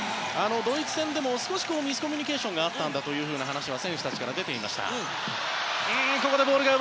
ドイツ戦でも少しミスコミュニケーションがあったという話が選手たちから出ていました。